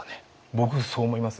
僕そう思います。